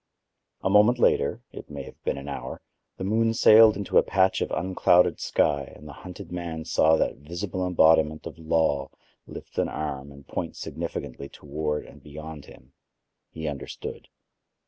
A moment later—it may have been an hour—the moon sailed into a patch of unclouded sky and the hunted man saw that visible embodiment of Law lift an arm and point significantly toward and beyond him. He understood.